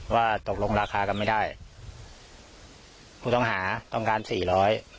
ว่าตกลงราคากันไม่ได้ผู้ต้องหาต้องการสี่ร้อย